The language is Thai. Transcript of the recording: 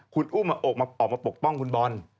คุณอุ้มออกมาปกป้องคุณบอล